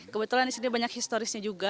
kebetulan disini banyak historisnya juga